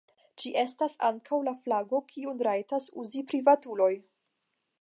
Ĝi estas ankaŭ la flago kiun rajtas uzi privatuloj.